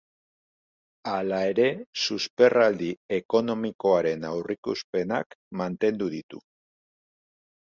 Hala ere, susperraldi ekonomikoaren aurreikuspenak mantendu ditu.